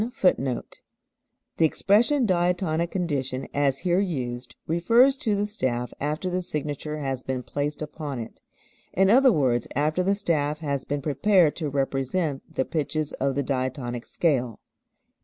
[Footnote 7: The expression "diatonic condition" as here used refers to the staff after the signature has been placed upon it, in other words after the staff has been prepared to represent the pitches of the diatonic scale.